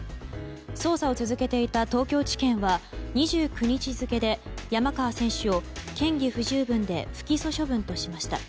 捜査を続けていた東京地検は２９日付で山川選手を嫌疑不十分で不起訴処分としました。